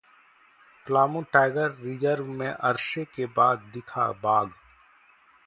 Palamu tiger reserve में अरसे के बाद दिखा बाघ